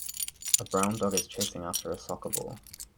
A brown dog is chasing after a soccer ball.